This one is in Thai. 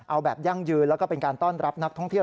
เอาแบบยั่งยืนแล้วก็เป็นการต้อนรับนักท่องเที่ยว